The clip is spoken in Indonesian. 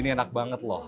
ini enak banget loh